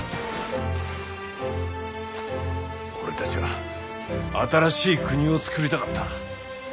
俺たちは新しい国をつくりたかった。